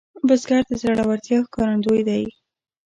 بزګر د زړورتیا ښکارندوی دی